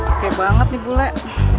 oke banget nih bu lek